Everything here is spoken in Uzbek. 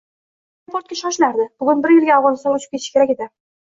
U aeroportga shoshilardi, bugun u bir yilga Afg`onistonga uchib ketishi kerak edi